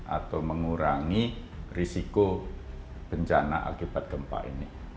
atau mengurangi risiko bencana akibat gempa ini